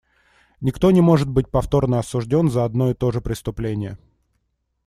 Никто не может быть повторно осужден за одно и то же преступление.